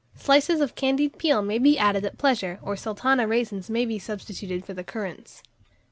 Slices of candied peel may be added at pleasure, or Sultana raisins may be substituted for the currants.